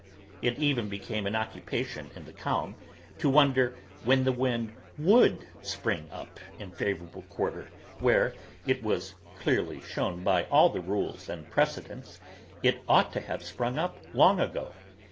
It even became an occupation in the calm, to wonder when the wind would spring up in the favourable quarter, where, it was clearly shown by all the rules and precedents, it ought to have sprung up long ago.